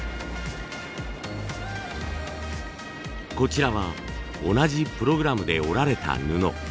こちらは同じプログラムで織られた布。